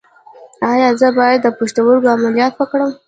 ایا زه باید د پښتورګو عملیات وکړم؟